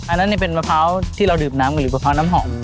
อันนั้นเป็นมะพร้าวที่เราดื่มน้ำกันหรือมะพร้าวน้ำหอม